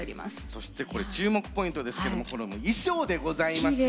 そしてこれ注目ポイントですけどもこの衣装でございますよ！